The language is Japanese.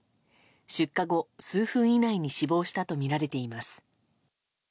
出火後、数分以内に死亡したとみられています。